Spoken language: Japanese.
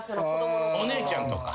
お姉ちゃんとか。